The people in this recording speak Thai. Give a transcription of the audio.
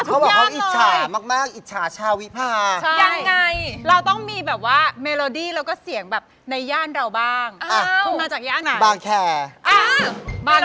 ต้องลองให้เป็นเกดเป็นสีกับถนนบางนะตราดหนึ่ง